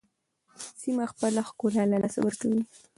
سیمه خپل ښکلا له لاسه ورکوي.